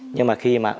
nhưng mà khi mà